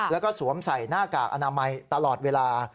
แล้วก็สวมใส่หน้ากากอนามัยตลอดเวลา